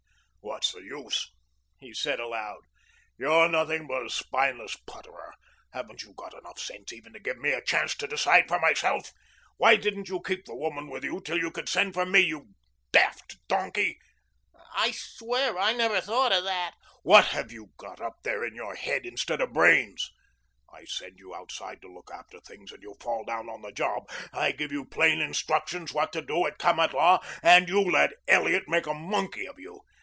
"What's the use?" he said aloud. "You're nothing but a spineless putterer. Haven't you enough sense even to give me a chance to decide for myself? Why didn't you keep the woman with you till you could send for me, you daft donkey?" "I swear I never thought of that." "What have you got up there in your head instead of brains? I send you outside to look after things and you fall down on the job. I give you plain instructions what to do at Kamatlah and you let Elliot make a monkey of you.